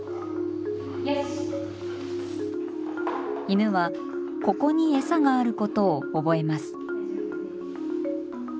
犬はここにエサがあることを覚えます。